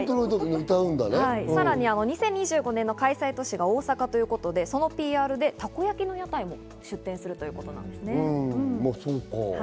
さらには２０２５年開催都市が大阪ということで、そのＰＲでたこ焼きの屋台も出店するということなんです。